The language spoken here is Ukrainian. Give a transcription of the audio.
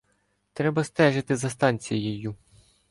Треба стежити за станцією.